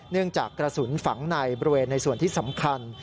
จากกระสุนฝังในบริเวณในส่วนที่สำคัญ